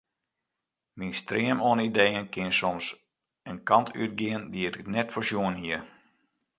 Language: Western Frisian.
Myn stream oan ideeën kin soms in kant útgean dy't ik net foarsjoen hie.